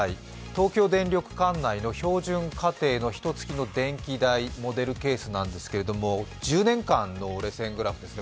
東京電力管内の標準家庭のひと月の電気代、モデルケースなんですけれども、１０年間のグラフです。